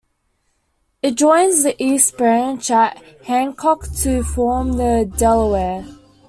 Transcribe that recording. It joins the East Branch at Hancock to form the Delaware.